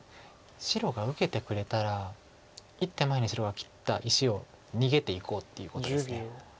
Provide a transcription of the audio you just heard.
白が受けてくれたら１手前に白が切った石を逃げていこうっていうことです。